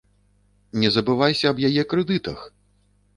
Не забывайся аб яе крэдытах!